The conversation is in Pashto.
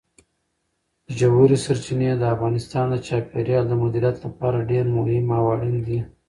ژورې سرچینې د افغانستان د چاپیریال د مدیریت لپاره ډېر مهم او اړین دي.